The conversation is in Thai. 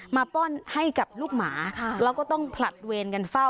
ป้อนให้กับลูกหมาแล้วก็ต้องผลัดเวรกันเฝ้า